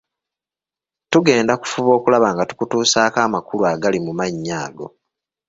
Tugenda kufuba okulaba nga tukutuusaako amakulu agali mu mannya ago.